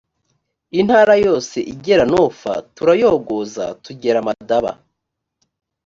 intara yose igera nofa, turayogoza tugera madaba.